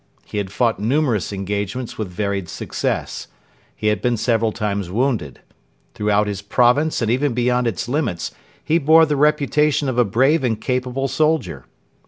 He had fought numerous engagements with varied success. He had been several times wounded. Throughout his province and even beyond its limits he bore the reputation of a brave and capable soldier.